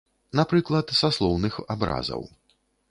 Напрыклад, са слоўных абразаў.